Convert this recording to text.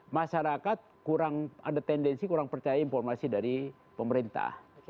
masyarakat kurang ada tendensi kurang percaya informasi dari pemerintah